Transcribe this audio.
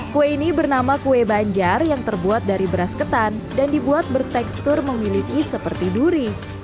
kue ini bernama kue banjar yang terbuat dari beras ketan dan dibuat bertekstur memiliki seperti duri